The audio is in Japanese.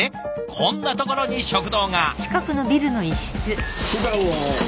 こんなところに食堂が。